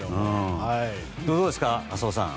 どうですか、浅尾さん